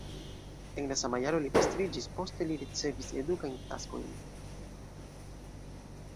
En la sama jaro li pastriĝis, poste li ricevis edukajn taskojn.